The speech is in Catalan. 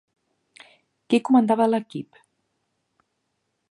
Qui comandava l'equip?